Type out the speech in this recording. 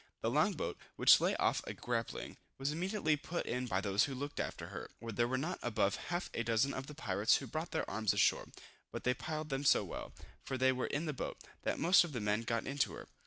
The long boat, which lay off a grappling, was immediately put in by those who looked after her. There were not above half a dozen of the pirates who brought their arms ashore, but they plied them so well, for they were in the boat, that most of the men got into her.